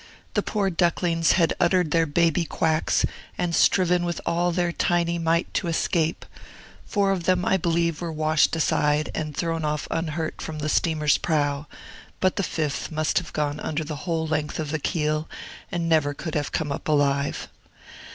The poor ducklings had uttered their baby quacks, and striven with all their tiny might to escape; four of them, I believe, were washed aside and thrown off unhurt from the steamer's prow; but the fifth must have gone under the whole length of the keel, and never could have come up alive.